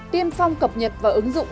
tiêm phong cập nhật và ứng dụng